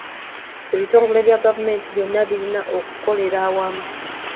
Ebtongole bya gavumenti byonna birina okukolera awamu.